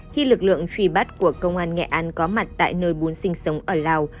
khi lực lượng truy bắt của công an nghệ an có mặt tại nơi muốn sinh sống ở lào